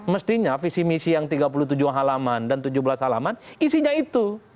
mestinya visi misi yang tiga puluh tujuh halaman dan tujuh belas halaman isinya itu